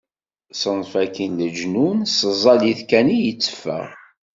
Ṣṣenf-agi n leǧnun, s tẓallit kan i yetteffeɣ.